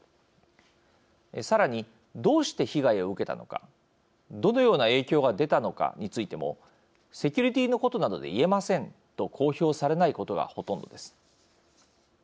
さらにどうして被害を受けたのかどのような影響が出たのかについてもセキュリティーのことなので言えませんと公表されないことがほとんどです。